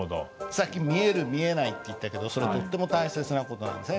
さっき「見える」「見えない」って言ったけどそれとっても大切な事なんですね。